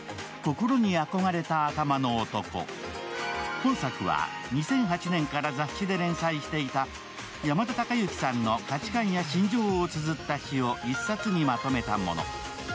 今作は２００８年から雑誌で連載していた山田孝之さんの価値観や心情をつづった詩を一冊にまとめたもの。